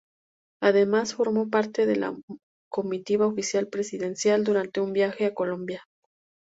Además, formó parte de la Comitiva Oficial Presidencial durante un viaje a Colombia.